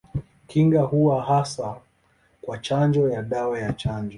Kinga huwa hasa kwa chanjo ya dawa ya chanjo.